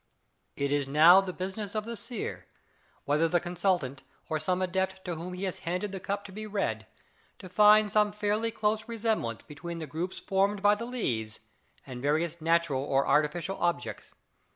It is now the business of the seer whether the consultant or some adept to whom he has handed the cup to be read to find some fairly close resemblance between the groups formed by the leaves and various natural or artificial objects.